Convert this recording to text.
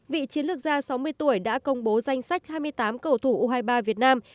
vị chiến lược gia sáu mươi tuổi đã công bố danh sách hai mươi tám cầu thủ u hai mươi ba việt nam